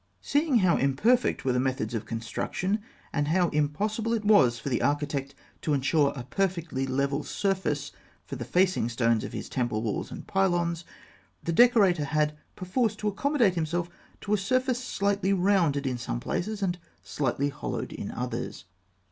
Seeing how imperfect were the methods of construction, and how impossible it was for the architect to ensure a perfectly level surface for the facing stones of his temple walls and pylons, the decorator had perforce to accommodate himself to a surface slightly rounded in some places and slightly hollowed in others.